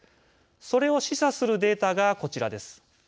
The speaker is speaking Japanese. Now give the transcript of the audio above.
それを示唆するデータがこちらです。